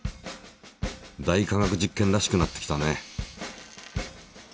「大科学実験」らしくなってきたね。